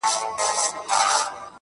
د وه بُت تراشۍ ته، تماشې د ښار پرتې دي~